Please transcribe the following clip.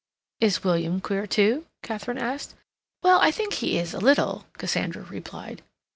"Is William queer, too?" Katharine asked. "Well, I think he is a little," Cassandra replied.